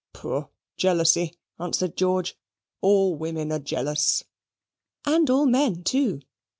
"Pooh, jealousy!" answered George, "all women are jealous." "And all men too.